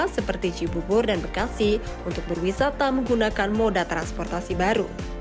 seperti cibubur dan bekasi untuk berwisata menggunakan moda transportasi baru